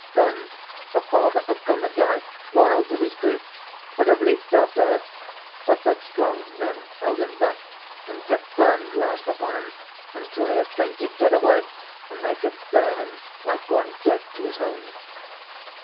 Then the father of Ko Ngai, wild with his grief, would have leaped after her, but that strong men held him back and kept firm grasp upon him until he had fainted dead away and they could bear him like one dead to his home.